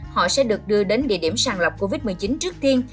họ sẽ được đưa đến địa điểm sàng lọc covid một mươi chín trước tiên